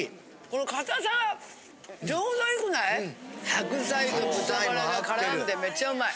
白菜と豚バラが絡んでめちゃうまい。